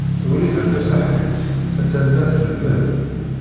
Wrida Tasaḥlit a-tt-an la tlemmed.